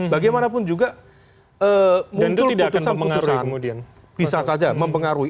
bagaimanapun juga muncul keputusan putusan bisa saja mempengaruhi